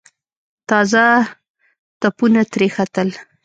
تازه تپونه ترې ختل.